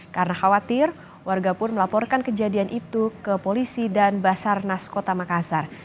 karena khawatir warga pun melaporkan kejadian itu ke polisi dan basarnas kota makassar